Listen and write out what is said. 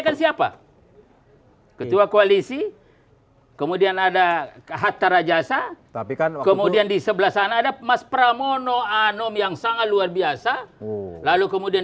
raja sah tapi kan kemudian di sebelah sana ada mas pramono anom yang sangat luar biasa lalu kemudian